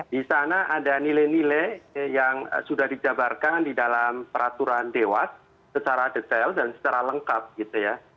di sana ada nilai nilai yang sudah dijabarkan di dalam peraturan dewas secara detail dan secara lengkap gitu ya